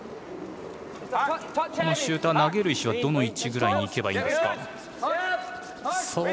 このシューター投げる石はどの位置ぐらいにいけばいいんですか。